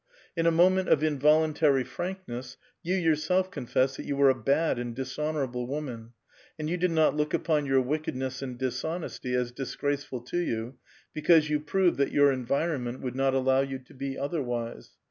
In a moment of involuntary frankness, you yourself confessed that you were a bad and dishonorable woman, and you did not look upon your wickedness and dis honesty as disgraceful to you, because you proved that your environment would not allow you to be otherwise.